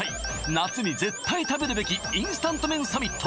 夏に絶対食べるべきインスタント麺サミット